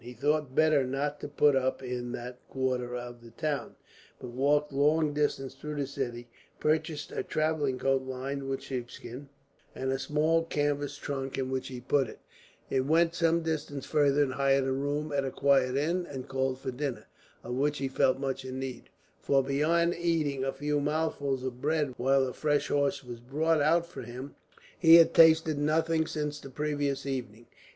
He thought it better not to put up in that quarter of the town, but walked a long distance through the city, purchased a travelling coat lined with sheepskin, and a small canvas trunk in which he put it; went some distance farther and hired a room at a quiet inn, and called for dinner, of which he felt much in need, for beyond eating a few mouthfuls of bread while a fresh horse was brought out for him, he had tasted nothing since the previous evening.